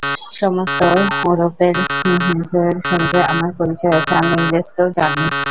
সমস্ত য়ুরোপের সঙ্গে আমার পরিচয় আছে, আমি ইংরেজকেও জানি।